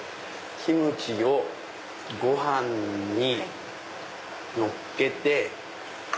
キムチをご飯にのっけて。